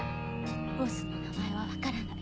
ボスの名前は分からない。